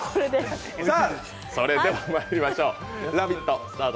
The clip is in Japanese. それではまいりましょう、「ラヴィット！」